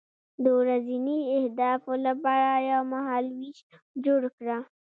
د ورځني اهدافو لپاره یو مهالویش جوړ کړه.